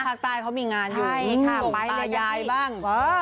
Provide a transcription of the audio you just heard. พักตายเขามีงานอยู่โด่งตายายบ้าง